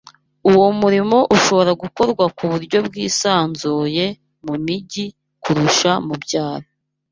Uwo murimo ushobora gukorwa ku buryo bwisanzuye mu mijyi kurusha mu byaro